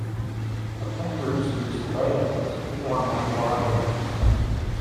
Appenders use Layouts to format log entries.